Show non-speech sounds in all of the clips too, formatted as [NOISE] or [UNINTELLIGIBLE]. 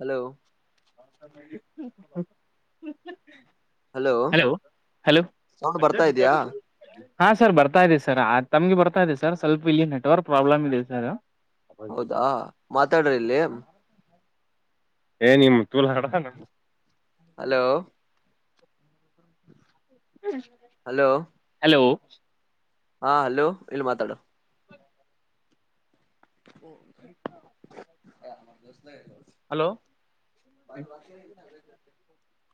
Hello [UNINTELLIGIBLE] hello hello sound ಬರ್ತಾ ಇದ್ಯಾ ಹಾ ಸರ್ ಬರ್ತಾ ಇದೆ ಸರ್ ತಮ್ಗೆ ಬರ್ತಾ ಇದೆ ಸರ್ ಸ್ವಲ್ಪ ಇಲ್ಲಿ ನೆಟ್ವರ್ಕ್ ಪ್ರಾಬ್ಲಮ್ ಇದೆ ಸರ್ ಹೌದಾ ಮಾತಾಡ್ರ ಇಲ್ಲಿ [UNINTELLIGIBLE] ಹಲೋ ಹಲೋ ಹಲೋ ಹಾ ಹಲೋ ಇಲ್ಲಿ ಮಾತಾಡು ಹಲೋ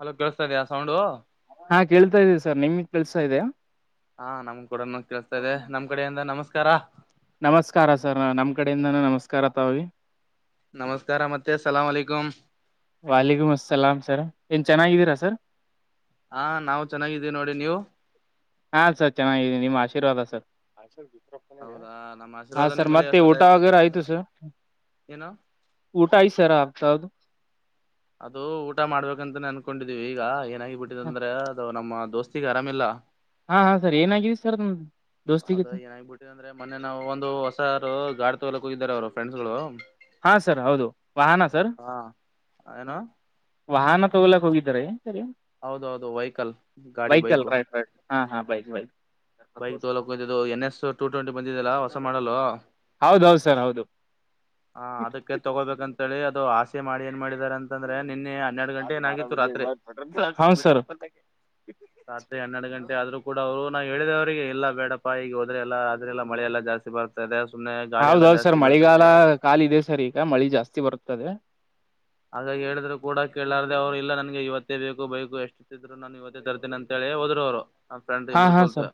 ಅಲೋ ಕೇಳಸ್ತಾ ಇದ್ಯಾಾ ಸೌಂಡು ಹಾ ಕೇಳ್ತಾ ಇದಿ ಸರ್ ನಿಮ್ದ ಕಲ್ಸ್ತಾ ಇದ್ಯಾ ಹಾ ನಮ್ ಕೂಡ ಕೇಸ್ತಾ ಇದೆ ನಮ್ ಕಡೆೆಯಿಂದ ನಮಸ್ಕಾರ ನಮಸ್ಕಾರ ಸರ್ ನಾ ನಮ್ ಕಡೆಯಿಂದಾನೂ ನಮಸ್ಕಾರ ಲಿ ವಾಾಲಕಮ ಅಸಲ ಸರ ಚೆನ್ನಾಗಿದ್ದೀರಾ ಸರ್ ಹಾ ನಾವವು್ ಚೆನ್ನಾಗಿದ್ದೀವಿ ನೋಡಿ ನೀವು ಹಾ ಸರ್ ಚೆನ್ನಾಗಿದ್ದೀನಿ ನಿಮ್ ಆಶೀರ್ವಾದ ಸರ್ ಹೌದಾ ನಮ್ಮ ಹಾ ಆಶೀರ್ವಾದ ನಿಮ್ಮಲೆ ಸದಾ ಇರ್ತೈತೆ ಒಳ ನು ಊಟಾಯ ಸರ ಆತದು ಅದು ಊಟ ಮಾಡ್ಬೇಕಂತೆ ಅನ್ಕೊಂಡಿದೀವಿ ಈಗ ಏನಾಗಿ ಬಿಟ್ಟಿದಂದ್ರೆ ಅದ ನಮ್ಮ ದೋಸ್ತಿಗೆ ಆರಾಮಲ್ಲ ಹಾ ಹಾ ಸರ್ ಏನಗಿದ ಸರ್ ನಮ್ದು ಅದ ಏನಾಗಬಿಟ್ಟಿದೆ ಅ್ರೆ ಮೊನ್ನೆ ನಾವು ಒಂದು ಹೊಸಾರರು ಗಾಡಿ ತಗೋಕ್ ಹೋಗಿದಿದ್ದಾರೆ ಅವರು ಫ್ರೆಂಡ್ಸ್ ಗಳು ಹಾ ಸರ್ ಹೌದು ವಾಹನ ಸರ್ ವಾಹನ ತಗೊಲಕ್ ಹೋಗಿದಿದ್ದಾರೆ ಹೌದೌದು ವೆಹಿಕಲ್ ಗಾಡಿ ವೆಹಿಕಲ್ ಬೈಕು ರೈಟ್ ರೈಟ್ ಹಾ ಹಾ ಬೈಕ್ ಬೈಕ್ ಬೈಕ್ ತೋಲಕ್ಂತು ಎನ್ ಎಸ್ ಟು ಟ್ವೆಂಟಿ ಬಂದಿದೆಲ್ಲ ಹೊಸ ಮಾಡಲ್ಲ ಹೌದು ಹೌದು ಸರ್ ಹೌದು ಳಿ ಅದು ಆಸೆ ಮಾಡಿ ಏನ್ ಮಾಡಿದ್ದಾರೆ ಅಂತಂದ್ರೆ ನಿನ್ನೆ ಹನ್ನೆರಡು ಗಂಟೆ ಏನಾಗಿತ್ತು ರಾತ್ರಿ ಹೌನ್ ಸರ್ ರತ್ರಿ ಹನ್ನೆಡು ಗಂಟೆ ಆದದು ಕೂಡ ಅವರು ನಾವು ಹೇಳಿದವ ಅವರಿಗೆ ಎಲ್ಲ ಬೇಡಪ್ಪಾ ಈಗ ಹೋದ್ರೆಲ್ಲ ಆದ್ರೆಲ್ಲ ಮಳೆಲ್ಲ ಜಾಸ್ತಿ ಬರ್ತ ಇದೆ ಹೌದೌದು್ ಸರ್ ಮಳೆಗಾಲ ಕಾಲದೆ ಸರ್ ಈಗ ಮಳಿ ಜಾಸ್ತಿ ಬರ್ತದೆ ಹಾಗಾಗಿ ಹೇಳಿದ್ರು ಕೂಡ ಕೇಳಲಾರ್ದೇ ಅವ್ರು ಇಲ್ಲ ನನ್ಗೆ ಇವತ್ತೇ ಬೇಕು ಬೈೇಕು ಎಷ್ಟುಿದ್ರು ನಾನು ಇವತ್ತೇ ತರ್ತೀನಿ ಅಂತ ಹೇಳಿ ಒದರ ವರ ಹಾ ಹಾ ಸರ್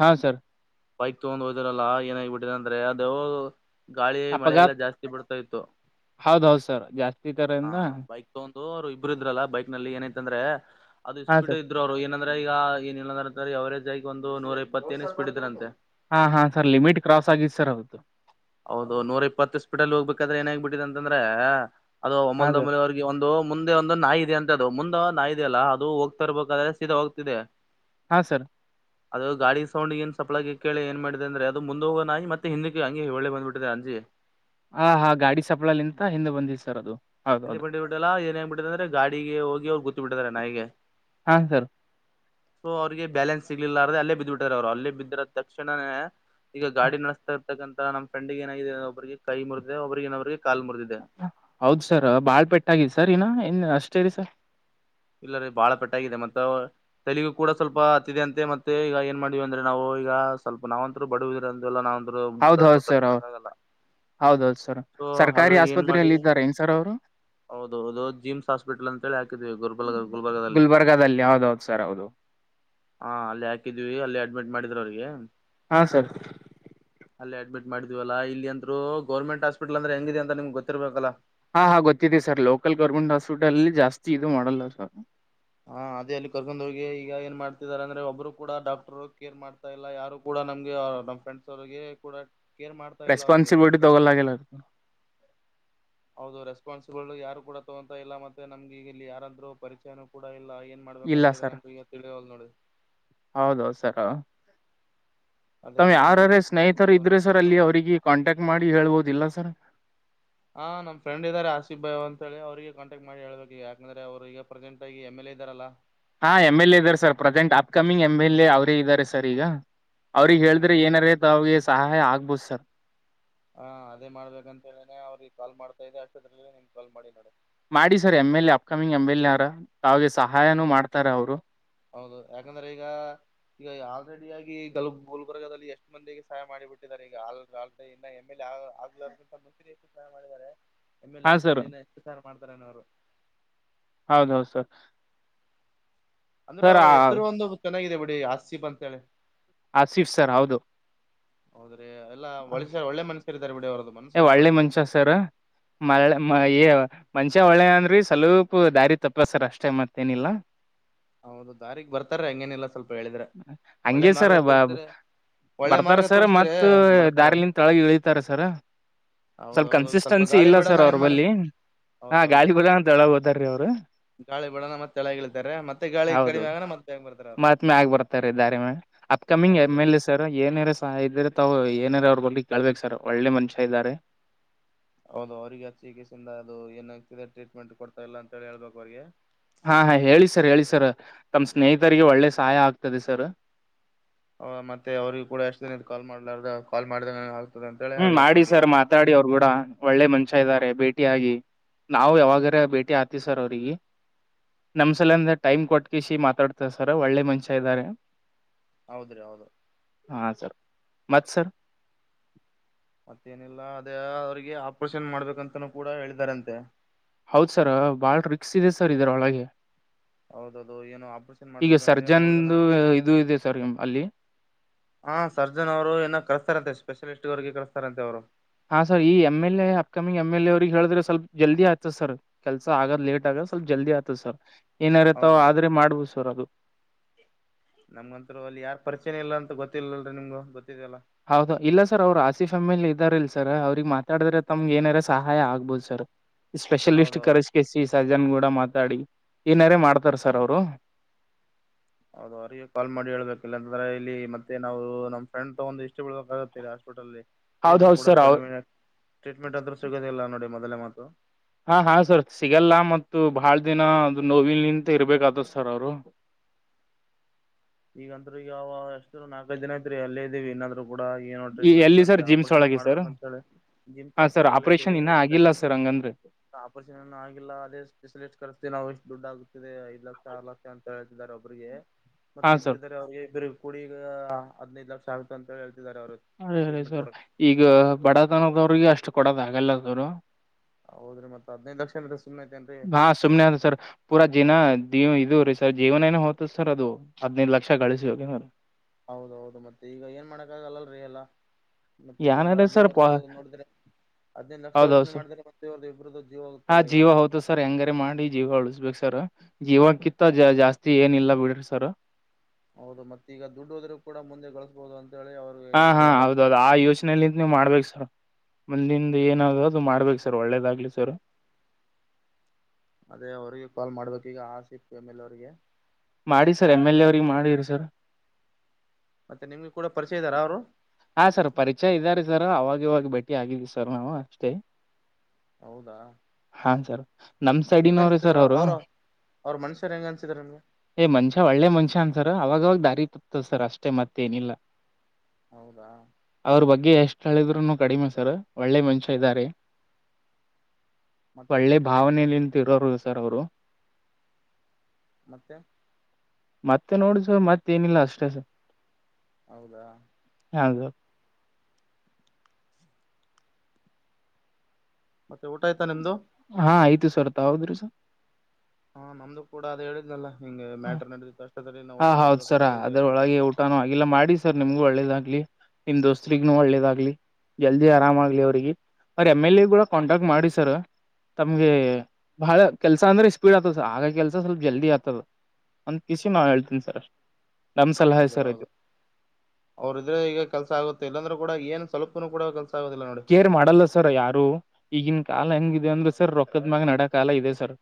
ಹಾ ಸರ್ ಬೈಕ್ ತೊಗೊಂಡ್ ಹೋದಿರಲ್ಲ ಏನಾಗಿಬಿಟ್ಟಿದೆ ಅಂದ್ರೆ ಅ ಗಾಳಿ ಮಳೆ ಎಲ್ಲಾ ಜಾಸ್ತಿ ಬಿಡ್ತಾ ಇತ್ತು ಹೌದ ಹೌದು್ ಸರ್ ಜಾಸ್ತಿ ತರಿಂದ ಅವ್ರು ಇಬ್ರು ಇದ್ರಲ್ಲ ಬೈಕ್ ನಲ್ಲಿ ಏನೈ ಅಂದ್ರೆ ಅದು ಹಾ ಸ್ಪೀಡ್ ಸರ್ ಇದ್ರು್ರು ಏನ ಅಂದ್ರೆ ಈಗ ಏ ಇ ಅವರೇಜ್ ಆಗಿ ಒಂದು ನೂರ ಇಪ್ಪತ್ತೇನ ಸ್ಪೀಡ್ ಇದರ ಅಂತೆ ಹಾ ಹಾ ಸರ್ ಲಿಮಿಟ್ ಕ್ರಾಸ್ ಆಗಿದ್ ಸರ್ ಹೌದು ಹೌದು ನೂರ ಇಪ್ಪತ್ತು ಇಷ್ಟಪಿಟಲ್ಲಿ ಹೋಗ್ಬೇಕಾದ್ರೆ ಏನ ಹಾಗ್ಬ ಬಿಟ್ಟಿದೆ ಅಂತಂದ್ರೆ ಅದು ಹಾ ಸರ್ ಒಮಲ್ದೊಮಲ್ ಅವಿಗೆ ಒಂದು ಮುಂದೆ ಒಂದು ನಾಯಿ ಇದೆ ಅಂತ ದು ಮುಂದ ನಾ ಇದೆಯಲ್ಲ ಅದು ಹೋಗ್ತರ್ಬೇಕಾದ್ರೆ ಸೀದಾ ಹೋಗ್ತಿದೆ ಹಾ ಸರ್ ಅದು ಗಾಡಿ ಸೌಂಡ್ ಏನ್ ಸಪ್ಲಾಗ ಕೇಳ ಏ ಮಾಡಿದೆ ಅಂದ್ರೆ ಅದು ಮುಂದ ಹೋಗೋ ನಿ ಮತ್ತೆ ಹಿಂದಿೆಿ ಒಳ್ಳೆ ಬಂದಬಿಟ್ಟಿದೆ ಅಂಜಿ ಹ ಹಾ ಗಾಡಿ ಸಪ್ಳಲ್ಂತ ಹಿಂದೆ ಬಂದಿದೆ್ ಸರ್ ಅದು ಹಿಂದೆ ಹೌದೌದು ಬಿ ಬಿಟ್ಟಲ್ಲ ಏನ್ ಹಂಗನ್ ಬಿಟ್ಟಿದೆ ಅಂದ್ರ ಗಾಿಗೆ ಹೋಗಿ ಅವ್ರು ಗೊತ್ ಬಿಟ್ಟತಾರೆ ನಗೆ ಹಾ ಸರ್ ಸೊ ಅವ್ರಿಗೆ ಬ್ಯಾಲೆನ್ಸ್ ಸಿಗ್ಲಿಲ್ಲ ಅ್ರೆ ಅಲ್ಲೇ ಬಿದ್ದ್ ಬಿಿಟ್ಟಾರೆ ಅವ್ರು ಅಲ್ಲೇ ಬಿದ್ದ್ರ ತಕ್ಷಣನೇ ಈಗ ಗಾಡಿ ನಡೆಸ್ತ ತತಕ್ಕಂತ ನಮ್ಮ ಫ್ರೆಂಡ್ ಏನಾಗಿದೆ ಒಬ್ರಿಗೆ ಕೈ ಮುರಿದೆ ಒಬರಿಗೆಗನೋ್ರಿಗೆ ಹೌದ ಸರ್ ಬಾಳ್ ಪೆಟ್ಟಗಿದ ಸರ್ ಇನ ಇನ್ ಅಷ್ಟೇರಿ ಸರ್ ಇಲ್ಲ ರೀ ಬಾಳ ಪೆಟ್ಟ ಆಗಿದೆ ಮತ್ತ ತೆಗು ಕೂಡ ಸ್ವಲ್ಪ ಹತ್ತಿದೆ ಅಂತೆ ಮತ್ತೆ ಈಗ ಏನ್ ಮಾಡವಿ ಅಂದ್ರೆ ನಾವು ಈಗ ಸ್ವಲ್ಪ ನಾವಂತೂ ಬಡವಿದರಲ್ಲ ನಾವಂದ್ರು ದುಡ್ಡ ಅಂತ ಕಟ್ ಮಾಡಕಕ್ಕಾಗಲ್ಲ ಹೌದೌದು್ ಸರ್ ಸರ್ಕಾರಿ ಆಸ್ಪತ್ರಲ್ಲ ಇದ್ದಾರೆ ನ್ ಸರ್ ಅವರು ಹೌದ ಹೌದು ಜಿಮ್ಸಸ್ಪಿಟಲ್ ಅಂತ ಹೇಳಿ ಹಾಕಿದವಿ ಗರ್ಬ ಗುಲ್ಬರ್ಗಲ್ಲಿ ಹಾವದೌದು ಸರ್ ಹೌದು ಹಾ ಅಲ್ಲಿ ಹಾಕಿದ್ವಿ ಅಲ್ಲಿ ಅಡ್ಮಿಟ್ ಮಾಡಿದ್ರ ಅವ್ರಿಗೆ ಹಾ ಸರ್ ಅಲ್ಲಿ ಅಡ್ಮಿಟ್ ಮಾಡಿದ್ವಲ್ಲ ಇಲ್ಲಿ ಅಂದ್ ಗರ್ಮೆಟ್ ಆಸ್ಪಿಟ್ಲ್ ಅಂದ್ರೆ ಹೆಂಗಿದೆ ಅಂತಮ್ ಗೊತ್ತಿರ್ಬೇಕಲ್ಲ ಹಾ ಹಾ ಗೊತ್ತಿದೆ ಸರ್ ಲೋಕಲ್ ಗೌರ್ಮೆಂಟ್ ಹಾಸ್ಪಿಟಲ್ಲ್ಲಿ ಜಾಸ್ತಿ ಇದು ಮಾಡಲ್ಲ ಸರ್ ಹಾ ಅದೇ ಅಲ್ಲಿ ಕರ್ಕೊಂಡ್ ಹೋಗಿ ಈಗ ಏನ್ ಮಾಡ್ತ ಅಂದ್ರೆ ಒಬ್ರು ಕೂಡ ಡಾಕ್ಟರ್ ಕೇರ್ ಮಾಡ್ತಾ ಇಲ್ಲ ಯಾರು ಕೂಡ ನಮ್ಗೆ ಅವ ನಮ್ಮ ಫ್ರೆಂಡ್ಸ್ ಅವರಿಗೆ ಕೂಡ ರೆಸ್ಪಾನ್ಸಿಬಿಲಿಟಿ ದೊಗಲ್ಲೆಲ್ಲ ಅ ಹೌದು ರೆಸ್ಪಾನ್ಸಿಬಲ್ ಯಾರು ಕೂಡ ತಗೊತ ಇಲ್ಲ ಮತ್ತೆ ನಮ್ಗೆಗ ಇಲ್ಲಿ ಯಾರಾದ್ೂ ಪರಿಚಯನೂ ಕೂಡ ಇಲ್ಲ ಏನ್ ಇಲ್ಲ ಮಾಡ್ಬೇಕಂತ ಹೇಳಿ ಸರ್ ನಮ್್ದ ಈಗ ತಿಳವಲ್ ನೋಡಿ ಹೌದೌದು ಸರ್ ತಾವ್ ಯಾರಾರ ಸ್ನೇಹಿತರು ಇದ್ರೆ ಸರ್ ಅಲ್ಲಿ ಅವ್ರಿಗೆ ಕಾಂಟ್ಯಾಕ್ಟ್ ಮಾಡಿ ಹೇಳ್ಬೋದಿಲ್ಲ ಸರ್ ಹಾ ನ್ ಫ್ರೆ ಆಸಿಫ್ ಭಯ್ ಅಂತ ಹೇಳಿ ಅವ್ರರಿಗೆ ಕಾಂಟಕ್ ಮಾಡಿ ಹೇಬೇಕ ಯಾಕಂದ್ರೆ ಅವ್ರ ಈಗ ಪ್ರೆಸೆಂ ಆಗಿ ಎಮ ಎ ಇದ್ದಾರಲ್ಲಾ ಹಾ ಎಮ್ ಎಲ್ ಎ ಇದ್ದಾರೆ sir present upcoming M L A ಅವರೇ ಇದ್ದಾರೆ ಸರ್ ಈಗ ಅವ್ರಿಗೆ ಹೇಳಿದ್ರೆ ಏನಾರ ತ ಅವಿಗೆ ಸಹಾಯ ಆಗ್ಬೋದು ಸರ್ ಹಾ ಅದೇ ಮಾಡ್ಬೇಕಂತ ಹೇಳನೆ ಅವ್ರಿಗೆ ಕಾ ಮಾಡ್ತಾ ಇದದೆ ಅಷ್ಟತ್ರ ನಿಮ ಕಾಲ್ ಮಾಡಿ ನೋಡ ಮಾಡಿ sir M L A upcoming M L A ಅವರ ಅವಾವಿಗೆ ಸಹಾಯನೂ ಮಾಡ್ತಾರ ಅವ್ರು [UNINTELLIGIBLE] ಹಾ ಈಗ ಆಲ್ರೆಡಿಯಗಿ ಗ ಗುಲ್ಬರ್ಗದಲ್ಲಿ ಎಷ್ಟು ಮಂದಿಗೆ ಸಹಾಯ ಮಾಡಿಬಿಟ್ಟಿದ್ದಾರೆ ಈಗ ಇನ್ನ ಎ್ ಎಲ್ ಯ ಆಗ್ಲರ್ಗಂತ ಮುಂಚೂರಿ ಹೆಚ್ಚಿ ಸ್ನಾನ ಮಾಡಿದ್ದಾರೆ ಎಮ ಎಲ್ ಹಾ ಸರ್ ಆದ್ಮೇಲೆ ಇನ್ನ ಎಷ್ಟು ಸಾರ್ ಮಾಡ್ತಾರೇನ ಅವ್ರು ಹೌದೌದು ಸರ್ ಅಂದ್ರೆ ಸರ್ ಅವ್ರ ಹೆಸರು ಒಂದು ಚೆನ್ನಾಗಿದೆ ಬಿಡಿ ಆಸ್ತಿೀಪ್ ಅಂತೇಳಿ ಆಸೀಫ್ ಸರ್ ಹೌದು. ಹೌದು. ಏ ಒಳ್ಳೆ ಮನಷ್ಯ ಸರ್ [UNINTELLIGIBLE] ಮಂಷ್ಯ ಒಳ್ಳೆ ಅಂದ್ರಿ ಸ್ವಲಪ್ ದಾರಿ ತಪ್ಪಸ್ಸರ್ ಅಷ್ಟೇ ಮತ್ತೇನಿಲ್ಲ. ಹೌದು ದಾರಿಗ್ ಬರ್ತಾರೆ ಹಂಗೇನಲ್ಲ ಸ್ವಲ್ಪ. ಹಂಗೆ ಸರ ಬಾಬ್. ಬರ್ತಾರ ಸರ್ ಮತ್ ದಾರಿಲಿಂದ ತಳಗ್ ಇಳಿತಾರ ಸರ. ಸ್ವಲ್ಪ ಕನ್ಸಿಸ್ಟೆನ್ಸಿ ಇಲ್ಲ ಸರ್ ಅವ್ರ [UNINTELLIGIBLE] ಹೌದೌದು ಗಾಳಿ ಬಲ ಅಂತ ಒಳಗ್ ಹೋದಾರ್ರೀ ಅವ್ರು ಗಾಳಿ ಬಡೋಣ ಮತ್ತೆಳಗಿತಾರೆ ಮತ್ತೆ ಕಳ ಕಡಿಮೆ ಮ [UNINTELLIGIBLE] ಬಯಂ ಬತಾರರು. ಮ್ಯಗ್ ಬರ್ತಾರೆ [UNINTELLIGIBLE] upcoming M L A sir ಏನರಸ [UNINTELLIGIBLE] ತಗೂ ಏನಾರ ಅವ್ರು ಬರ್ಲಿ ಕಳ್ಬೇಕ್ ಸರ್ ಒಳ್ಳೆ ಮನುಷ್ಯ ಇದ್ದಾರೆ. ಹೌದು ಅವ್ರಿಗೆ ಅ ಚಿಕಸೆಯಿಂದ ಅದು ಏನಾಗ್ತಿದೆ ಟ್ರೀಟ್ಮೆಂಟ್ ಕೊಡ್ತಾ ಇಲ್ಲ ಅಂತ ಹೇಳಿ ಹೇಳ್ಬೇಕು ಅವ್ರಿಗೆ. ಹಾ ಹಾ ಹೇಳಿ ಸರ್ ಹೇಳಿ ಸರ್ ತಮ್ಮ ಸ್ನೇಹಿತರಿಗೆ ಒಳ್ಳೆ ಸಹಾಯ ಆಗ್ತದೆ ಸರ್. ಹ ಮತ್ತೆ ಅವ್ರಿ ಕೂಡ ಎಷ್ಟು ದಿನ ಕಾಲ್ ಮಾಡ್ಲಾರ್ದ ಕಾಲ್ ಮಾಡಿದಾಗ ಹ್ಮ್ ಮಾಡಿ ಸರ್ ಮಾತಾಡಿ ಅವ್ರು ಕೂಡ ಒಳ್ಳೆ ಮನ್ಷ ಇದಾರೆ ಭೇಟಿಯಾಗಿ ನಾವು ಯಾವಾಗಾರ ಭೇಟಿ ಆತೀವಿ ಸರ್ ಅವ್ರಿಗೆ. ನಮ್ಸಲ ಅಂದ ಟೈಮ್ ಕೊಟ್ಕಿಸಿ ಮಾತಾಡ್ತಾರ ಸರ್ ಒಳ್ಳೆ ಮನ್ಷ ಇದ್ದಾರೆ. ಹಾ ಸರ್ ಮತ್ ಸರ್ ಮತ್ತೇನಿಲ್ಲ ಅದೇ ಅವ್ರಿಗೆ ಆಪರೇಷನ್ ಮಾಡ್ಬೇಕಂತನೂ ಕೂಡ ಹೇಳಿದಾರಂತೆ. ಹೌದ್ ಸರ್ ಬಾಳ್ ರಿಕ್ಸ್ ಇದೆ ಸರ್ ಇದರೊಳಗೆ. ಈಗ ಸರ್ಜನ್ ದು ಇದು ಇದೆ ಸರ್. ಅಲ್ಲಿ ಹಾ ಸರ್ಜನ್ ಅವರು ಏನ ಕಳಸ್ತಾರಂತೆ ಸ್ಪೆಷಲಿಸ್ಟ್ಗೆ ಕಳಸ್ತಾರಂತೆ ಅವ್ರು. ಹಾ ಸರ್ ಈ M L A upcoming M L A ಅವ್ರಗ್ ಹೇಳಿದ್ರೆ ಸ್ಲ್ಪ ಜಲ್ದಿ ಆಯತದ ಸರ್ ಕೆಲ್ಸ ಆಗದ್ ಲೇಟ್ ಆಗತ್. ಸ್ವಲ್ಪ ಜಲ್ದಿ ಆಗ್ತದ ಸರ್ ಏನಾರತಾವ ಆದ್ರೆ ಮಾಡ್ಬೋದು ಸರ್ ಅದು. ನಮ್ಗಂತರು ಅಲ್ಲಿ ಯಾರು ಪರಿಚಯ ಇಲ್ಲ ಅಂತ ಗೊತ್ತಿಲ್ಲಲ್ರರಿ ನಿಮ್ಗ ಗೊತ್ತ. ಹೌದು ಇಲ್ಲ ಸರ್ ಅವ್ರು ಆಸಿ ಫ್ಯಾಮಿಲಿ ಇದ್ದಾರೆ ಇಲ್ ಸರ ಅವ್ರಗ್ ಮಾತಾಡಿದ್ರೆ ತಮ್ಗೆ ಏನಾರ ಸಹಾಯ ಆಗ್ಬೋದು ಸರ್. ಸ್ಪೆಷಲಿಸ್ಟ್ ಕರೆಸಕಸಿ ಸಜಾನ್ ಗೂಡ ಮ ಮಾತಾಡಿ ಏನಾರ ಮಾಡ್ತಾರ ಸರ್ ಅವರು. ಹೌದು ಅವರಿಗೆ ಕಾಲ್ ಮಾಡಿ ಹೇಬೇಕಿಲ್ಲ ಅಂತಂದ್ರೆ ಇಲ್ಲಿ ಮತ್ತೆ ನಾವು ನಮ್ಮ ಫ್ರೆಂಡ್ ತಗ ಒಂದು ಇಷ್ಟ ಬಳ್ ಆಗುತ್ತೆ ಹಾಸ್ಪಿಟಲಲ್ಲಿ. ಏನು ಹೌದೌದು ಕೂಡ ಸರ್ ಅವ್ ಕಡಿಮೆ ಟ್ರೀಟ್ಮೆಂಟ್ ಅಂದ್ರೂ ಸಿಗೋದಿಲ್ಲ ನೋಡಿ ಮೊದಲೇ ಮಾತು ಹಾ ಹಾ ಸರ್ ಸಿಗಲ್ಲ ಮತ್ತು ಬಹಳ ದಿನ ಅದು ನೋವಿಲ್ ನಿಂತ ಇರ್ಬೇಕತತ್ ಸರ್ ಅವರು. [INAUDIBLE] ಈಗಂದ್ರ ಈಗಾವ ಎಷ್ಟ ನಲ್ಕೈದು ದಿನ ಐತ್ರಿ ಅಲ್ಲೇ ಇದೀವಿ ಇನ್ನಾದ್ರು. ಕೂಡ ಏನೋ ಈ ಟ್ರೀಟ್ಮೆಂಟ್ ಇಲ್ಲ ಎಲ್ಲಿ ಸರ್ ಜಿಮ್ಸ್ ಆಪರೇಷನ್ ಒಳಗೆ ಸರ್ ಮಾಡ್ಬೇಕಂತ ಹೇಳಿ ಜಿಮ್ಸ್ ಹಾ ಸರ್ ಹಾಸ್ಪಿಟಲ್ ಆಪರೇಷನ್ ಇದ್ದವಿ. ಇನ್ನ ಆಗಿಲ್ಲ ಸರ್ ಹಂಗಂದ್ರೆ ಆಪ್ರೆಶನ್ ಆಗಿಲ್ಲ ಅದೇ ಸ್ೆಿಸಟ್ ಕರ್ತೀವಿ ನಾವು. ದುಡ್ಡು ಆಗುತ್ತಿದೆ ಐದ್ ಲಕ್ಷ ಆರು ಲಕ್ಷ ಅಂತ ಹೇಳ್ತಿದ್ದಾರೆ ಒಬ್ಬ್ರಿಗೆ ಮತ್ತೆ ಹಾ ಸರ್ ಇಬ್ರೀದರೆ [UNINTELLIGIBLE] ಕುುಡಿಗ ಹದ್ನೈದು ಲಕ್ಷ ಆಗತು ಅಂತ ಹೇಳ್ತ ಅರಿ ಸರ್ ಈಗ ಬಡತನದವ್ರಿಗೆ ಅಷ್ಟು ಕೊಡದ ಆಗಲ್ಲ ಸರ್. ಹಾ ಸುಮನೆ ಸರ್ ಪೂರಾ ಜೀನಾ ಇ ಇದದು ರೀ ಸರ್ ಜೀವನ ನ ಹ ಹೊತದ ಸರ್ ಅದು ಹದ್ನೈದು ಲಕ್ಷ ಗಳಿಸಿ ಹೋಗನ. ಹೌದೌದು ಮತ್ತೆ ಈಗ ಏನ್ ಮಾಡಕ್ಕ ಆಗಲ್ಲಲ್ರಿ ಎಲ್ಲಾ. ಮತ್ತೆ ಇಲ್ಲಾಂದ್ರೆ ಏನಾರ ಹದ್ೈದು ಸರ್ ಪ ಲಕ್ಷ ನೋಡಿದ್ರೆ ಹದ್ೈದು ಲಕ್ಷ ಹೌದೌದು ಯೋಚನೆ ಸರ್ ಮಾಡಿದ್ರೆ ಮತ್ತೆ ಇವ್ರರು ಇಬ್ರದ್ದ. ಹಾ ಜೀವ ಹೌದು ಸರ್ ಹೆಂಗಾರ ಮಾಡಿ ಜೀವ ಉಳಸ್ಬೇಕು ಸರ್. ಜೀವಕ್ಕಿತ್ತ ಜ ಜಾಸ್ತಿ ಏನಿಲ್ಲ ಬಿಡ್ರಿ ಸರ್. ಹೌದು ಮತ್ತ ಈಗ ದುಡ್ಡು ಹೋದ್ರೂ ಕೂಡ ಮುಂದೆ ಗಳಿಸ್ಬಹುದು ಅಂತ ಹಾ ಹಾ ಹೌದೌದು ಆ ಯೋಚನೆಯಲ್ಲಿಂತ ನೀವು್ ಮಾಡ್ಬೇಕು ಸರ್. ಮುಂದಿಂದ ಏನ ಅದು ಮಾಡ್ಬೇಕು ಸರ್ ಒಳ್ಳೇದಾಗ್ಲಿ ಸರ್. ಅದೇ ಅವರ್ಗೆ ಕಲ್ ಮಾಡ್ಬೇಕು ಈಗ [UNINTELLIGIBLE] ಎಮ್ ಎಲ್ ಎ ಅವರ್ಗೆ. ಮಾಡಿ ಸರ್ ಎಮ್ ಎಲ್ ಎ ಅವ್ರಿಗೆ ಮಾಡಿರಿ ಸರ್ ಮತ್ತೆ ನಿಮ್ಗೆ ಕೂಡ ಪರಿಚಯ ಇದಾರ ಅವರು ಹಾ ಸರ್ ಪರಿಚಯ ಇದ್ದಾರೆ ಸರ್ ಅವಾಗವಾಗ ಭೇಟಿ ಆಗಿದವಿ ಸರ್ ನಾವು ಅಷ್ಟೇ ಹೌದಾ ಹಾ ಸರ್ ನಮ್ ಸಡಿನವ್ರ ಸರ್ ಅವರು ಏ್ ಮನ್ಷ್ಯ ಒಳ್ಳೆ ಮನುಷ್ಯ ಸರ್ ಅವಾಗವಾಗ ದಾರಿ ಸರ್ ಅಷ್ಟೇ ಮತ್ತೆೇನಿಲ್ಲ ಅವ್ರ ಬಗ್ಗೆ ಎಷ್ಟು ಹೇಳಿದ್ರು ಕಡಿಮೆ ಸರ್ ಒಳ್ಳೆ ಮನುಷ ಇದ್ದಾರೆ ಒಳ್ಳೆ ಭಾವನೆಯಲ್ಲಿಂತ ಇರೋರು ಸರ್ ಅವರು ಮತ್ತೆ ಮತ್ತೆ ನೋಡುಸ ಮತ್ತೇಏನಿಲ್ಲ ಅಷ್ಟೇ ಸ ಹೌದಾ ಹೌದು ಮತ್ತೆ ಊಟ ಆಯ್ತಾ ನಿಮ್ದ ಹಾ ಆಯ್ತು ಸರ್ ತಾವು ಹಾ ನಮ್ದು ಕೂಡ ಅದೆ ಹೇಳಿದ್ಲಲ್ಲ ನಿಮ್ಗೆ ಮ್ಯಾಟರ್ ನಡದಿತ್ತು ಅಷ್ಟ ಹಾ ಹೌದ್ ಸರ ಅದ್ರೊಳಗೆ ಊಟಾನೂ ಆಗಲ್ಲ ಮಾಡಿ ಸರ್ ನಿಮ್ಗೂ ಒಳ್ಳೇದ ನಿಮ್ ದೋಸ್ತಿಗು ಒಳ್ಳೇದಾಗ್ಲಿ ಜಲ್ದಿ ಆರಾಮಾಗ್ಲಿ ಅವ್ರಿಗೆ ಅವ ಎಮ್ ಎಲ್ ಎ ಕೂಡ ಕಾಂಟಾಕ್ಟ್ ಮಾಡಿ ಸರ್ ತಮ್ಗೆ ಬಹಳ ಕೆಲ್ಸ ಅಂದ್ರೆ ಸ್ಪೀಡ್ ಆತದ ಹಾಗ ಕೆಲ್ಸ ಸ್ವಲ್ಪ ಜಲ್ದಿ ಆಗ್ತದ ಒಂದ ಪಿಸಿ ನಾ ಹೇಳ್ತೀನಿ ಸರ್ ನಮ್ ಸಲಹೆ ಹೌದ ಸರ್ ಹೌದು ಇದು ಅವ್ರ ಇದ್ರೆ ಈಗ ಕೆಲ್ಸ ಆಗುತ್ತೆ ಇಲ್ಲಾಂದ್ರೂ ಕೂಡ ಏನ್ ಸ್ವಲ್ಪನೂ ಕೂಡ ಕೆಲ್ಸ ಕೇರ್ ಮಾಡಲ್ಲ ಸರ್ ಯಾರು ಈಗಿನ ಕಾಲ ಹೆಂಗಿದೆ ಅಂದ್ರೆ ಸರ್ ರೊಕ್ಕದ ಮ್ಯ ನಡ್ಯ ಕಾಲ ಇದೆ ಸರ್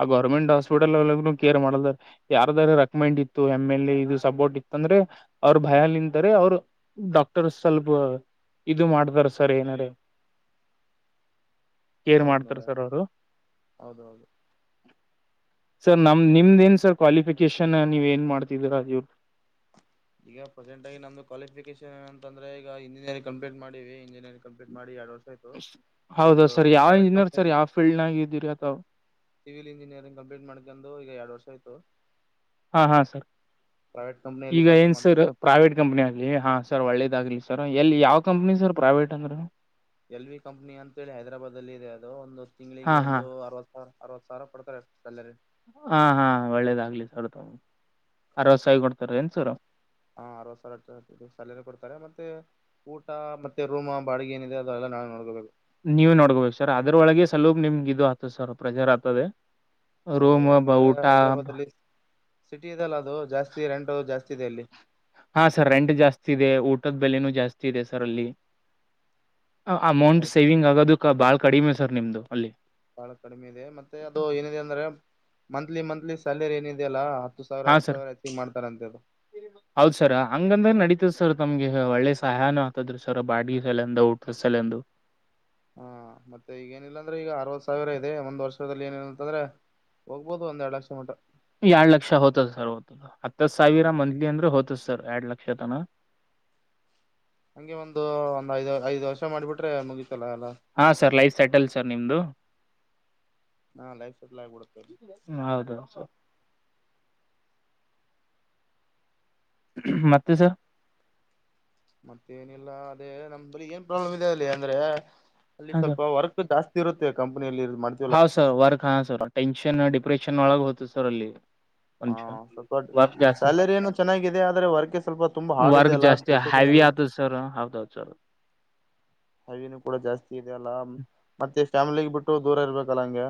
ಆ ಗೌರ್ಮೆಂಟ್ ಹಾಸ್ಪಿಟಲ್ ಕೇರ್ ಮಾಡಾರ ಯಾರದಾರ ರೆಕಮೆಂಡ್ ಇತ್ತು ಎಮ ಎಲ್ ಎ ಇದು ಸಪೋರ್ಟ್ ಇತ್ತು ಅಂದ್ರೆ ಅವ್ರ ಭಯ ನಿಂತಾರೆ ಅವರು ಡಾಕ್ಟರ್ಸ್ ಸ್ವಲ್ಪ ಇದು ಮಾಡತಾರ ಸರಿನಡ ಏನ್ ಮಾಡ್ತಾರ ಸರ್ ಅವರು ಸರ್ ನಮ ನಿಮ್ದ ಏನ್ ಸರ್ ಕ್ವಾಲಿಫಿಕೇಶನ್ ನೀವ ಏನ್ ಮಾಡ್ತಿದೀರಾ ಇವರು ಈಗ ಪ್ರೆಸೆಂಟ್ ಆಗ ನಮ್ದು ಕ್ವಾಲಿಫಿಕೇಷನ್ ಅಂದ್ರ ಈಗ ಇಂಜಿನಿಯರಿಂಗ್ ಕಂಪ್ಲೀಟ್ ಮಾಡಿ ಇಂಜಿಯರಿಂಗ ಕಂಪ್ಲೀಟ್ ಮಾಡಿ ಎರಡು ವರ್ ಹೌದ ಸರ್ ಯಾವ ಇಂಜಿನಿಯರ್ ಸರ್ ಯಾವ್ ಫೀಲ್ಡ್ನಾಗಿದೀರಿ ಅಥಾವ ಸಿವಿಲ್ ಇಂಜಿನಿಯರಿಂಗ್ ಕಂಪ್ಲೀಟ್ ಮಾಡ್ಕಂದು ಈಗ ಎರಡು ವರ್ಷ ಆಯ್ತು ಹಾ ಹಾ ಸರ್ ಈಗ ಏನ್ ಸರ್ ಪ್ರೈವೇಟ್ ಕಂಪನಿ ಆಗ್ಲಿ ಹಾ ಸರ್ ಒಳ್ಳೇದಾಗ್ಲಿ ಸರ್ ಎಲ್ಲಿ ಯಾವ್ ಕಂಪ್ನಿ ಸರ್ ಪ್ರೈವೇಟ್ ಅಂದ್ರ ಎಲ್ ವಿ ಕಂಪ್ನಿ ಅಂತ ಹೇಳಿ ಹೈದರಾಬಾದ್ಲ್ ಇದೆ ಅದು ಒಂದು ತಿಂಗಳಿಗೆ ಹಾ ಹಾ ಒಂದು ಅರವತ್ತು ಅರವತ್ತು ಸಾವಿರ ಕೊಡ್ತಾರೆ ಸ್ಯಾಲರಿ ಹಾ ಹಾ ಒಳ್ಳೇದಾಗ್ಲಿ ಸರ್ ಅರವತ್ತು ಸಾವಿರ ಕೊಡ್ತಾರ ಎನ್ಸರು ಹಾ ಅರವತ್ ಸಾವಿರ ಹ ಸ್ಯಾಲರಿ ಕೊಡ್ತಾರೆ ಮತ್ತೆ ಊಟ ಮತ್ತೆ ರೂಮ ಬಾಡಿಗೆ ಏನಿದೆ ಅಲ್ಲ ನಾವು ನೋಡ್ಕಬೇಕು ನೀವ್ ನೋಡ್ಕೋಬೇಕು ಸರ್ ಅದ್ರೊಳಗೆ ನಿಮ್ಗೆ ಇದು ಆತದ ಸರ್ ಪ್ರೆಜರ್ ಆಗ್ತದೆ ರೋಮು ಊಟ ಸಿಟಿ ಇದೆಲ್ಲ ಅದು ಜಾಸ್ತಿ ರೆಂಟ್ ಜಾಸ್ತಿ ಇದೆ ಅಲ್ಲಿ ಹಾ ಸರ್ ರೆಂಟ್ ಜಾಸ್ತಿ ಇದೆ ಊಟದ ಬೆಲೆನೂ ಜಾಸ್ತಿ ಇದೆ ಸರ್ ಅಲ್ಲಿ ಅಮೌಂಟ್ ಸೇವಿಂಗ್ ಆಗೋದಕ್ ಬಾಳ್ ಕಡಿಮೆ ಸರ್ ನಿಮ್ದು ಅಲ್ಲಿ ಬಹಳ ಕಡಿಮೆ ಇದೆ ಮತ್ತೆ ಅದು ಏನಿದೆ ಅಂದ್ರೆ ಮಂತ್ಲಿ ಮಂತ್ಲಿ ಸ್ಯಾಲರಿ ಏನಿದೆೆಯ ಅಲ್ಲ ಹಾ ಸರ್ ಹೌದ ಸರ್ ಹಂಗಂದ್ರ ನಡೀತದೆ ಸರ್ ತಮ್ಗೆ ಒಳ್ಳೆ ಸಹಾಯನ ಆತದ್ರರು ಸರ್ ಬಾಡಿ ಸಲೆಂದು ಊಟದ ಸಲೆಂದು ಹಾ ಮತ್ತೆ ಈಗ ಏನಿಲ್ಲಾಂದ್ರೆ ಈಗ ಅರವತ್ ಸಾವಿರ ಇದೆ ಒಂದ್ ವರ್ಷದಲ್ಲಿ ಏನಿಲ್ಲ ಅಂತಂದ್ರೆ ಹೋಗ್ಬೋದು ಒಂದೆರಡ್ ಲಕ್ಷ ಮಟ್ಟ ಎರಡ್ ಲಕ್ಷ ಹ್ತದ ಸರ್ ಹ್ತದ ಹತ್ತತ್ ಸಾವಿರ ಮಂತ್ಲಿ ಅಂದ್ರೆ ಹತದ ಸರ್ ಸರ್ ಎರೆಡ್ ಲಕ್ಷತಾನ ಹಂಗೆ ಒಂದು ಒಂದ್ ಐದ್ ಐದ್ ವರ್ಷ ಮಾಡಿಬಿಟ್ರೆ ಮುಗಿತ್ತು ಹಾ ಸರ್ ಲೈಫ್ ಸೆಟಲ್ ಸರ್ ನಿಮ್ದು ಹ ಹೌದು ಮತ್ತೆ ಸರ್ ಮತ್ತ ಏನಿಲ್ಲ ಅದೇ ನಮ್ದಲ್ಲಿ ಏನ್ ಪ್ರಾಬ್ಲಮ್ ಇದೆ ಅಲ್ಲಿ ಅಂದ್ರೆ ಅಲ್ಲಿ ಹಾ ಸರ್ ಸ್ವಲ್ಪ ವರ್ಕ್ ಜಾಸ್ತಿ ಸ್ತ್ತಿರುತ್ತತೆ ಕಂಪನಿಯಲ್ಲಿ ಇದು ಮಾಡ್ತಿೀವಲ್ಲ ಹಾ ಸರ್ ವರ್ಕ್ ಹಾ ಸರ್ ಟೆನ್ಷನ್ ಡಿಪ್ರೆಷನ್ ಒಳಗೆ ಹೋತು ಸರ್ ಅಲ್ಲಿ ಹಾ ಮನುಷ್ಯ ಸ್ವಲ್ಪ ವರ್ಕ್ ಜಾಸ್ತಿ ಸ್ಯಾಲರಿ ಏನು ಚೆನ್ನಾಗಿದೆ ಆದ್ರೆ ವರ್ಕ್ ಸ್ವಲ್ಪ ತುಂಬಾ ಹಾರ್ಡ್ ಇದೆ ಅಲ್ಲನ್ ಫ್ರೀ ಆತ ಸರ್ ಹೌದು ಚ ಹಿನ ಕೂಡ ಜಾಸ್ತಿ ಇದೆ ಅಲ್ಲ ಮತ್ತೆ ಚಫ್ಯಾಮ್ಲಿಗೆ ಬಿಟ್ಟು ದೂರ ಇರ್ಬೇಕಲ್ಲ ಹಂಗೆ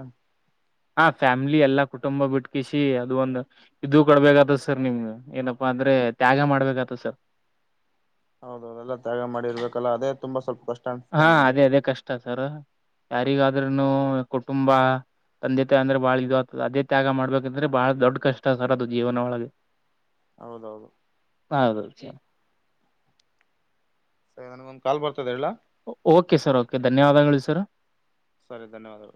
ಹಾ ಫ್ಯಾಮಿಲಿ ಎಲ್ಲಾ ಕುಟುಂಬ ಬಿಟ್ಕಿಸಿ ಅದು ಒಂದ್ ಇದು ಕೊಡ್ಬೇಕೇತದ ಸರ್ ನಿಮ್ ಏನಪ್ಪಾ ಅಂದ್ರೆ ತ್ಯಾಗ ಮಾಡ್ಬೇಕತ ಸರ್ ಹೌದೌದುದೆಲ್ಲ ತ್ಯಾಗ ಮಾಡಿರ್ಬೇಕಲ್ಲ ಅದೇ ತುಂಬಾ ಸ್ವಲ್ಪ ಕಷ್ಟ ಹಾ ಅದೇ ಅದೇ ಕಷ್ಟ ಸರ್ ಯಾರಿಗಾದ್ೂನು ಕುಟುಂಬ ತಂದೆ ತಾಯಿ ಅಂದ್ರೆ ಬಾಳ ಇದು ಆತದ ಅದೇ ತ್ಯಾಗ ಮಾಡ್ಬೇಕಂದ್ರೆ ಬಹಳ ದೊಡ್ಡ ಕಷ್ಟ ಸರ್ ಅದು ಜೀವನ ಒಳಗೆ ಹೌದಹೌದು ಸರಿ ನನ್ಗೊಂದ ಕಾಲ್ ಬರ್ತದೆ ಹೇಳ್ ಓಕೆ ಸರ್ ಓಕೆ ಧನ್ಯವಾದಗಳು ಸರ್ ಸರಿ ಧನ್ಯವಾದಗಳು